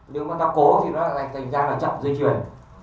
nếu mà nó cố thì nó thành ra là chậm dây chuyền